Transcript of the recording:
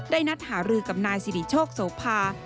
นัดหารือกับนายสิริโชคโสภา